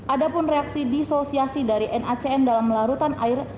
ada pun reaksi disosiasi dari nacn dalam larutan air